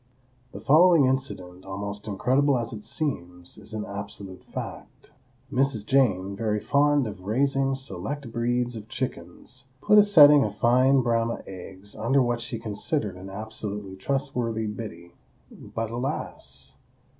The following incident, almost incredible as it seems, is an absolute fact. Mrs. Jane, very fond of raising select breeds of chickens, put a setting of fine Brahma eggs under what she considered an absolutely trustworthy Biddy,—but, alas!